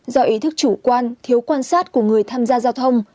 do ý thức chủ quan thiếu quan sát của người tham gia giao thông